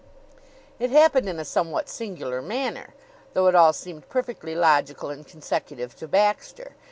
It happened in a somewhat singular manner, though it all seemed perfectly logical and consecutive to Baxter.